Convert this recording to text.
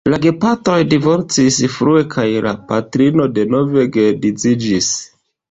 La gepatroj divorcis frue kaj la patrino denove geedziĝis.